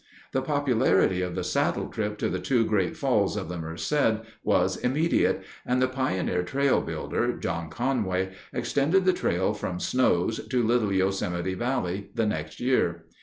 The popularity of the saddle trip to the two great falls of the Merced was immediate, and the pioneer trail builder, John Conway, extended the trail from Snow's to Little Yosemite Valley the next year.